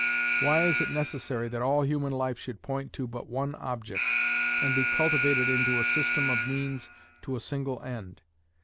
Why is it necessary that all human life should point but to one object, and be cultivated into a system of means to a single end?